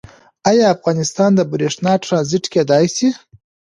آیا افغانستان د بریښنا ټرانزیټ کیدی شي؟